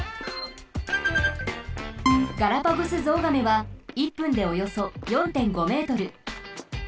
ガラパゴスゾウガメは１分でおよそ４．５ｍ。